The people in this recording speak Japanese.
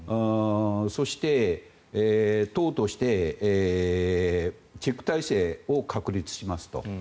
そして、党としてチェック体制を確立しますと。